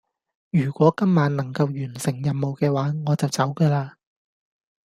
如果今晚能夠完成任務嘅話，我就走架喇